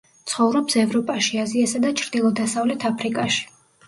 ცხოვრობს ევროპაში, აზიასა და ჩრდილო-დასავლეთ აფრიკაში.